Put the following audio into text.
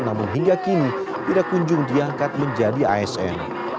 namun hingga kini tidak kunjung diangkat menjadi asn